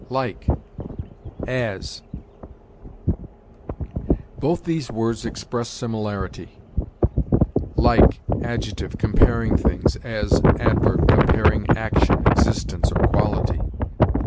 LIKE AS. Both these words express similarity; like (adjective) comparing things, as (adverb) comparing action, existence, or quality.